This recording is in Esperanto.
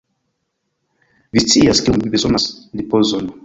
Vi scias, kiom ni bezonas ripozon.